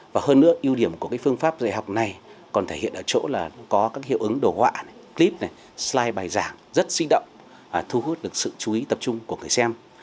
và hơn nữa ưu điểm của phương pháp dạy học này còn thể hiện ở chỗ là có các hiệu ứng đồ họa clip này syge bài giảng rất sinh động thu hút được sự chú ý tập trung của người xem